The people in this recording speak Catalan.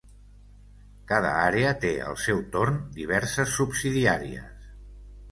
Cada àrea té al seu torn diverses subsidiàries.